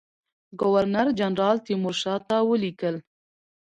ګورنر جنرال تیمورشاه ته ولیکل.